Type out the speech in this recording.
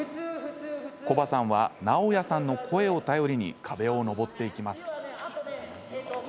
コバさんはナオヤさんの声を頼りに壁を登っていきます。